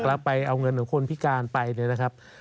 แล้วไปเอาเงินของคนพิการไปเนี่ยนะครับ